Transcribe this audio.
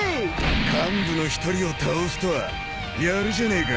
［幹部の一人を倒すとはやるじゃねえか］